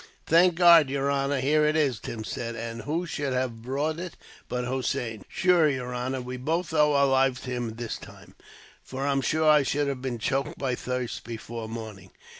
"Thank God, yer honor, here it is," Tim said; "and who should have brought it, but Hossein. Shure, yer honor, we both owe our lives to him this time, for I'm sure I should have been choked by thirst, before morning."